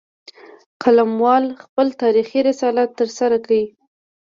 قلموال خپل تاریخي رسالت ترسره کړي